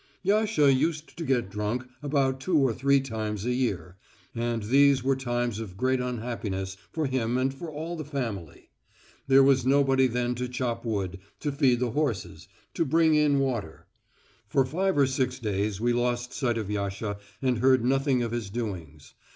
Yasha used to get drunk about two or three times a year, and these were times of great unhappiness for him and for all the family. There was nobody then to chop wood, to feed the horses, to bring in water. For five or six days we lost sight of Yasha and heard nothing of his doings.